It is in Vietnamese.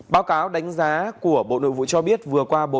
báo cáo đánh giá của bộ nội vụ phạm thị thanh trà cho biết